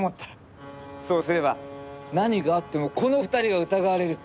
そうすれば何があってもこの２人が疑われる。